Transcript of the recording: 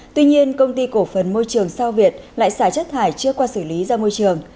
tuy nhiên công ty cổ phần môi trường sao việt lại xả chất thải chưa qua xử lý ra môi trường